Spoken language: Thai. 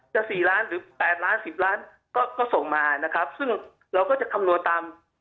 จะ๔ล้านหรือ๘ล้าน๑๐ล้านก็ส่งมาซึ่งเราก็จะคำนวณตาม